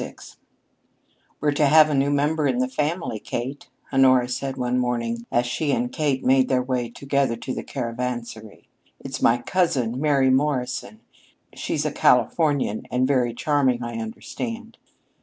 VI "We're to have a new member in the family, Kate," Honora said one morning, as she and Kate made their way together to the Caravansary. "It's my cousin, Mary Morrison. She's a Californian, and very charming, I understand."